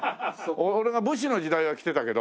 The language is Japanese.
俺が武士の時代は着てたけど。